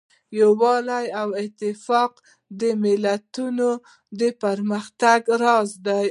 یووالی او اتفاق د ملتونو د پرمختګ راز دی.